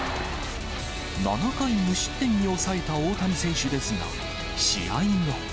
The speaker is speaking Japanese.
７回無失点に抑えた大谷選手ですが、試合後。